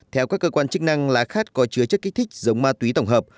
theo các cơ quan chức năng lá khát có chứa chất kích thích giống ma túy tổng hợp